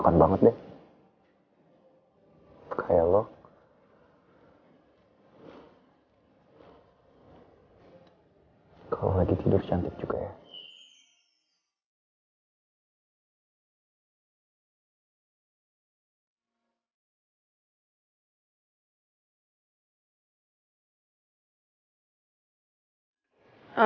kalo lagi tidur cantik juga ya